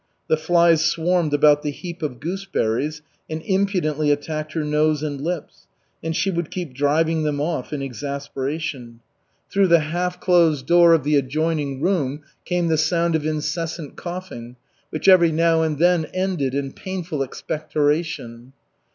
The flies swarmed about the heap of gooseberries and impudently attacked her nose and lips, and she would keep driving them off in exasperation. Through the half closed door of the adjoining room came the sound of incessant coughing which every now and then ended in painful expectoration.